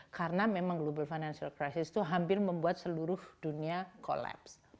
karena memang global financial crisis itu hampir membuat seluruh dunia collapse